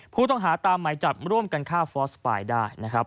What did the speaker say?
ผู้ต้องหาตามไหมจับร่วมกันฆ่าฟอสปายได้